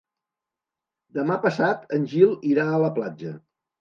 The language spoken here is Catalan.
Demà passat en Gil irà a la platja.